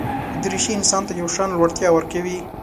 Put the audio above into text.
دریشي انسان ته یو شان لوړتیا ورکوي.